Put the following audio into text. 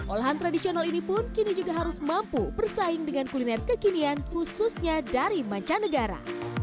olahan tradisional ini pun kini juga harus mampu bersaing dengan kuliner kekinian khususnya dari mancanegara